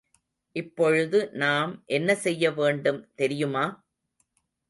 இப்பொழுது நாம் என்ன செய்ய வேண்டும் தெரியுமா?